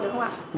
được không ạ